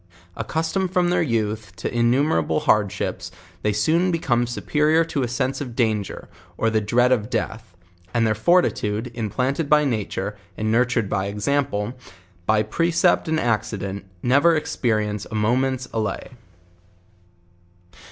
Accustomed from tlicir youth to innumerable hardship*, they soon become superior to a sr,sc of danger, or the dre id of death; and their fortitude, implanted by nature, and nurtur ed by example, by precept and accident, never experience a moment's allay.